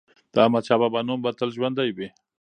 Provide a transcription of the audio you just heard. د احمدشاه بابا نوم به تل ژوندی وي.